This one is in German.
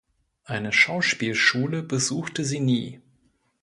Eine Schauspielschule besuchte sie nie.